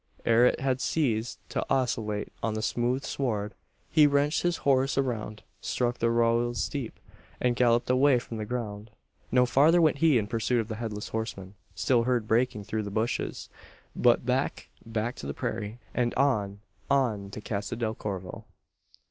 Ere it had ceased to oscillate on the smooth sward, he wrenched his horse around; struck the rowels deep; and galloped away from the ground! No farther went he in pursuit of the Headless Horseman still heard breaking through the bushes but back back to the prairie; and on, on, to Casa del Corvo!